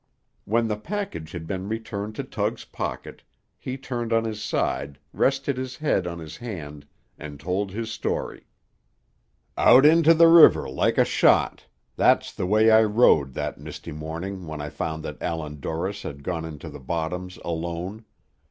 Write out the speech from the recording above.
When the package had been returned to Tug's pocket, he turned on his side, rested his head on his hand, and told his story. "Out into the river like a shot; that's the way I rowed that misty morning when I found that Allan Dorris had gone into the bottoms alone.